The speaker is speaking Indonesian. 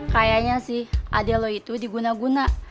kayanya sih adik lo itu diguna guna